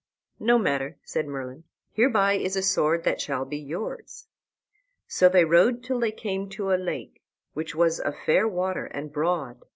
"No matter," said Merlin; "hereby is a sword that shall be yours." So they rode till they came to a lake, which was a fair water and broad.